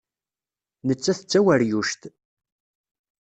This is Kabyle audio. Nettat d taweryuct.